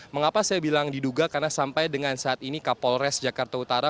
mengapa saya bilang diduga karena sampai dengan saat ini kapolres jakarta utara